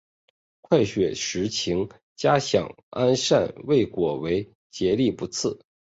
快雪时晴佳想安善未果为结力不次。